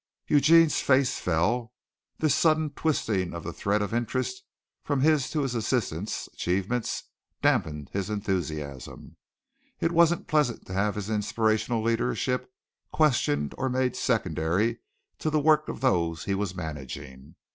Eugene's face fell, for this sudden twisting of the thread of interest from his to his assistant's achievements damped his enthusiasm. It wasn't pleasant to have his inspirational leadership questioned or made secondary to the work of those whom he was managing.